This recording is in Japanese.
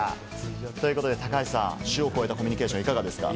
ということで高橋さん、種をこえたコミュニケーション、いかがですか？